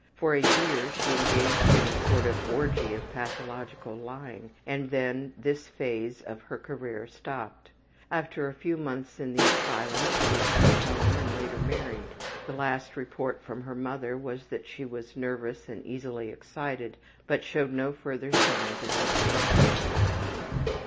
For a year she engaged in a sort of orgy of pathological lying and then this phase of her career stopped. After a few months in the asylum she returned home and later married. The last report from her mother was that she was nervous and easily excited, but showed no further signs of insanity.